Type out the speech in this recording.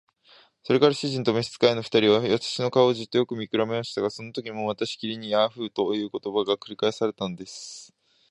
それから主人と召使の二人は、私たちの顔をじっとよく見くらべていましたが、そのときもまたしきりに「ヤーフ」という言葉が繰り返されたのです。